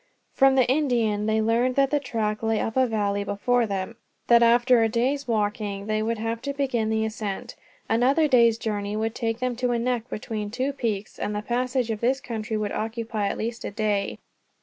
From the Indian they learned that the track lay up a valley before them, that after a day's walking they would have to begin the ascent. Another day's journey would take them to a neck between two peaks, and the passage of this would occupy at least a day.